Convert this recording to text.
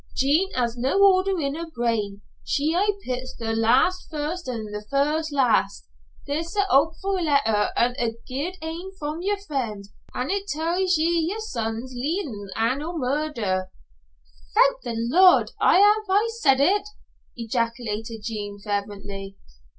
Jean has no order in her brain. She aye pits the last first an' the first last. This is a hopefu' letter an' a guid ain from yer friend, an' it tells ye yer son's leevin' an' no murder't " "Thank the Lord! I ha'e aye said it," ejaculated Jean, fervently.